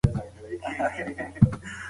موږ باید د بېوزلۍ اصلي ریښې پیدا کړو.